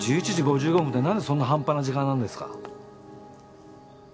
１１時５５分ってなんでそんな半端な時間なんですか？